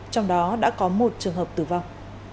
trong đó đã có một trường hợp tử vong